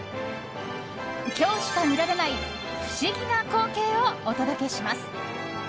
今日しか見られない不思議な光景をお届けします。